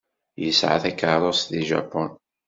Yesɛa takeṛṛust deg Japun?